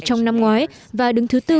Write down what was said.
trong năm ngoái và đứng thứ tư